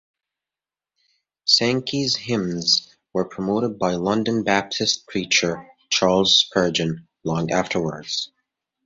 Sankey's hymns were promoted by London Baptist preacher, Charles Spurgeon, long afterwards.